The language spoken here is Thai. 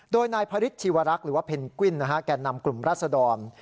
โดยนายพระฤทธิวรักษ์หรือว่าเพนกวินแก่นำกลุ่มรัศดร